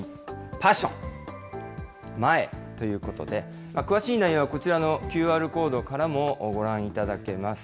パッション、前へということで、詳しい内容はこちらのＱＲコードからもご覧いただけます。